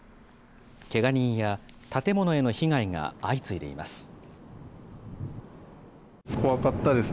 けが人や建物への被害が相次いでいます。